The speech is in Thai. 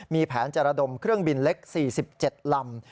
มีแผนจะระดมเครื่องบินเล็ก๔๗ลำ